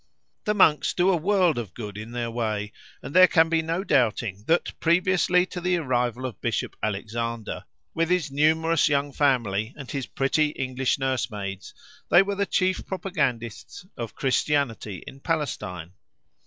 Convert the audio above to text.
The monks do a world of good in their way; and there can be no doubting that previously to the arrival of Bishop Alexander, with his numerous young family and his pretty English nursemaids, they were the chief propagandists of Christianity in Palestine.